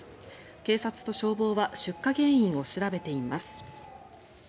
警察と消防は出火原因を調べています。